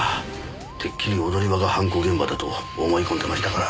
てっきり踊り場が犯行現場だと思い込んでましたから。